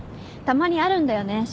たまにあるんだよね